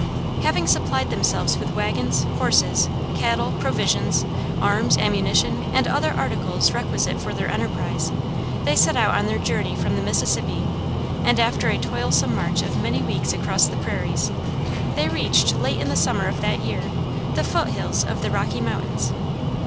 Having supplied themselves with wagons, horses, cattle, provisions, arms, ammunition, and other articles requisite for their enterprise, they set out on their journey from the Mississippi, and, after a toilsome march of many weeks across the prairies, they reached, late in the summer of that year, the foot hills of the Rocky Mountains.